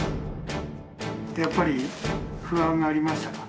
やっぱり不安がありましたか？